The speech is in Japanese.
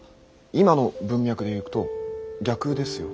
今の文脈でいくと逆ですよ。